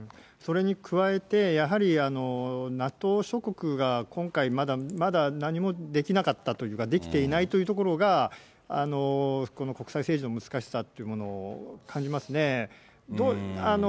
それに加えて、やはりＮＡＴＯ諸国が今回まだ何もできなかったというか、できていないというところが、この国際政治の難しさっていうものを感じますね。